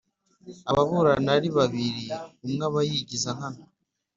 Ababurana ari babiri umwe aba yigiza nkana.